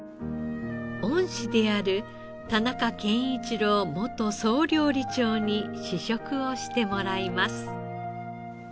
恩師である田中健一郎元総料理長に試食をしてもらいます。